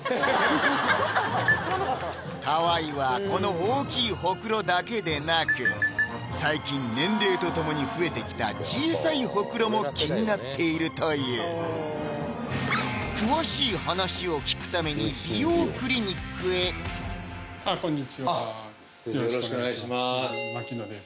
河井はこの大きいホクロだけでなく最近年齢とともに増えてきた小さいホクロも気になっているという詳しい話を聞くために美容クリニックへあっこんにちはよろしくお願いします牧野です